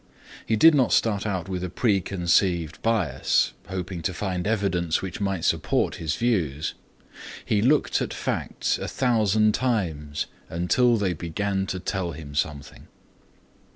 He did not start out with a preconceived bias, hoping to find evidence which might support his views. He looked at facts a thousand times "until they began to tell him something."